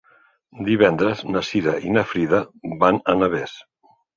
Divendres na Cira i na Frida van a Navès.